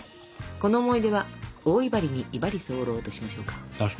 この思い出は「大いばりにいばり候」としましょうか。